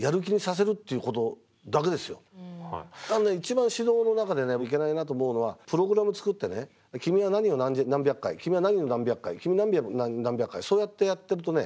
一番指導の中でいけないなと思うのはプログラム作ってね君は何を何百回君は何を何百回君何百回そうやってやってるとね